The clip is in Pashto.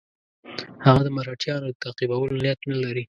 هغه د مرهټیانو تعقیبولو نیت نه لري.